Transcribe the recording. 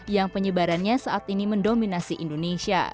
yang penyebarannya saat ini mendominasi indonesia